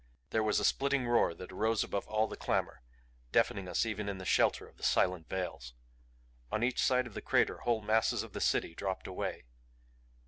There was a splitting roar that arose above all the clamor, deafening us even in the shelter of the silent veils. On each side of the crater whole masses of the City dropped away.